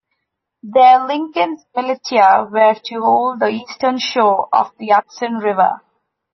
There Lincoln's militia were to hold the eastern shore of the Hudson River.